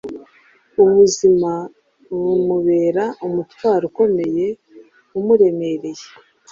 ubuzima bumubera umutwaro ukomeye umuremereye.